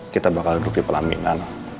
kita bakal duduk di pelaminan